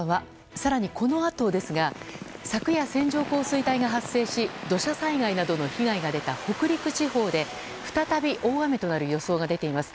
更にこのあとですが昨夜、線状降水帯が発生し土砂災害などの被害が出た北陸地方で再び大雨となる予想が出ています。